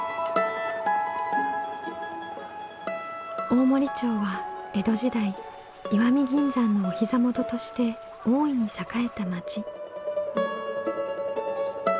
大森町は江戸時代石見銀山のお膝元として大いに栄えた町。